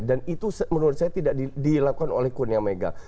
dan itu menurut saya tidak dilakukan oleh kurnia mega